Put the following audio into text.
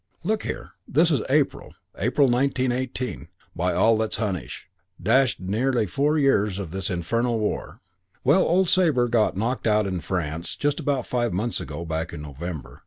"Look here, this is April, April, 1918, by all that's Hunnish dashed nearly four years of this infernal war. Well, old Sabre got knocked out in France just about five months ago, back in November.